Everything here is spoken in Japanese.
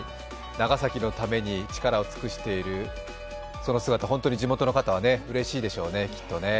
長崎のために力を尽くしているその姿、本当に地元の方はうれしいでしょうね、きっとね。